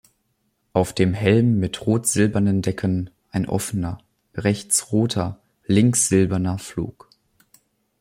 Auf dem Helm mit rot-silbernen Decken ein offener, rechts roter, links silberner Flug.